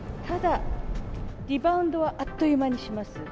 ただ、リバウンドはあっという間にします。